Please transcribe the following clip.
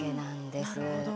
なるほど。